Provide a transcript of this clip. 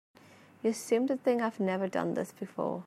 You seem to think I've never done this before.